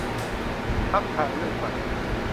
พรรคทางเลือกใหม่